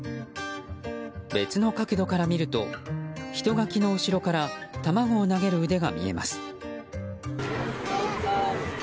別の角度から見ると人垣の後ろから卵を投げる腕が見えます。